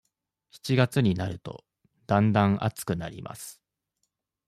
七月になると、だんだん暑くなります。